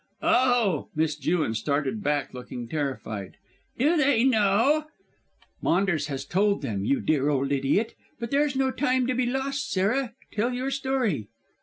"Oh!" Miss Jewin started back looking terrified. "Do they know " "Maunders has told them, you dear old idiot. But there's no time to be lost, Sarah; tell your story."